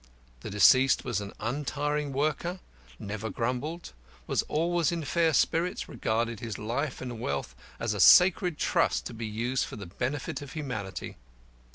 The deceased was an untiring worker; never grumbled, was always in fair spirits, regarded his life and wealth as a sacred trust to be used for the benefit of humanity.